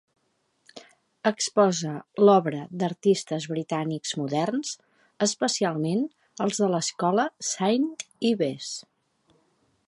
Exposa l'obra d'artistes britànics moderns, especialment els de l'escola Saint Ives.